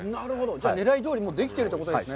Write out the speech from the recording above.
じゃあ、狙いどおりにできてるってことですね。